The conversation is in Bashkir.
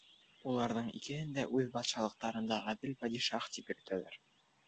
Уларҙың икеһен дә үҙ батшалыҡтарында «ғәҙел падишаһ» тип йөрөтәләр.